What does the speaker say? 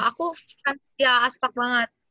aku fans dia aspak banget